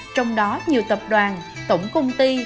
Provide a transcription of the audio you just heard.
trong đó nhiều tập đoàn tổng công ty